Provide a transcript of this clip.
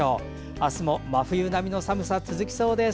明日も真冬並みの寒さ続きそうです。